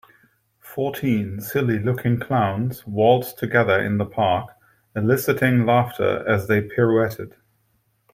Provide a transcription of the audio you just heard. Fourteen silly looking clowns waltzed together in the park eliciting laughter as they pirouetted.